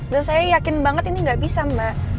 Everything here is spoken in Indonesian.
dan saya yakin banget ini gak bisa mbak